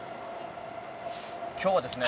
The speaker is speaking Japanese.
今日はですね